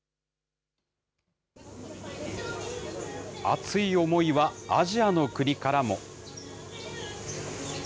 熱い思いはアジアの国からも。